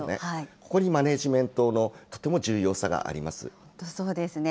ここにマネジメントのとても重要本当そうですね。